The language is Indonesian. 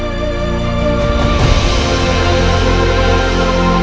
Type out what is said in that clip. berhenti jumlah teman tumbuh